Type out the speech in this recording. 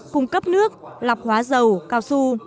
cung cấp nước lọc hóa dầu cao su